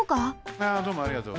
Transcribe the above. あどうもありがとう。